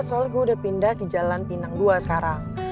soalnya gue udah pindah ke jalan pinang dua sekarang